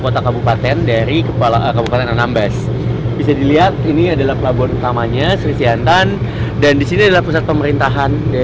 tapi kalau dilihat dari jumlah populasi disini empat puluh tujuh ribu